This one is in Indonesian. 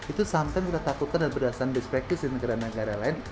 itu sampai sudah takutkan dan berdasarkan best practice di negara negara lain